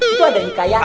itu ada hikayatnya loh